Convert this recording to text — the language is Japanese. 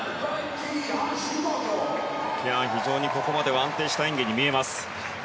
非常に、ここまでは安定した演技に見えます。